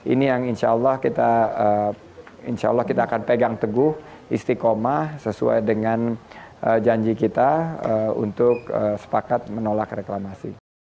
ini yang insya allah kita akan pegang teguh istiqomah sesuai dengan janji kita untuk sepakat menolak reklamasi